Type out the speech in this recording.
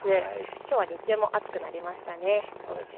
きょうは日中も暑くなりましたね。